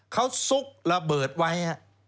เขาซุกระเบิดไว้